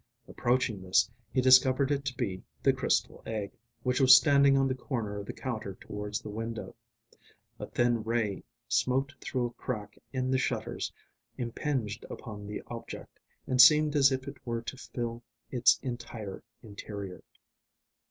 Approaching this, he discovered it to be the crystal egg, which was standing on the corner of the counter towards the window. A thin ray smote through a crack in the shutters, impinged upon the object, and seemed as it were to fill its entire interior.